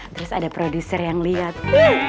terus ada produser yang lihat